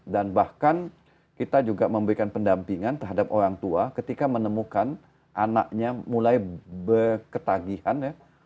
dan bahkan kita juga memberikan pendampingan terhadap orang tua ketika menemukan anaknya mulai berketagihan